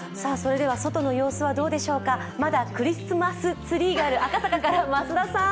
外の様子はどうでしょうか、まだクリスマスツリーがある赤坂です。